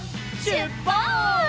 しゅっぱつ！